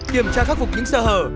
kiểm tra khắc phục những sơ hở